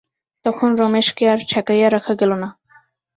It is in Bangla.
তখন রমেশকে আর ঠেকাইয়া রাখা গেল না।